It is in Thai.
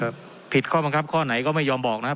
ผิดข้อบังคับข้อไหนก็ไม่ยอมบอกนะครับ